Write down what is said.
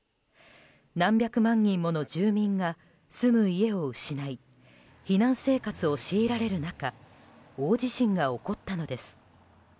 何百万人もの住民が住む家を失い避難生活を強いられる中大地震が起こったのです。